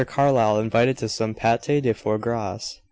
CARLYLE INVITED TO SOME PATE DE FOIE GRAS.